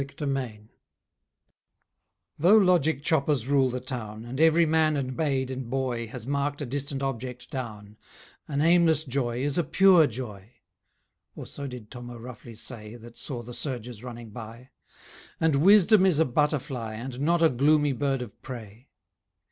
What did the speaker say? TOM O'ROUGHLEY 'Though logic choppers rule the town, And every man and maid and boy Has marked a distant object down, An aimless joy is a pure joy,' Or so did Tom O'Roughley say That saw the surges running by, 'And wisdom is a butterfly And not a gloomy bird of prey.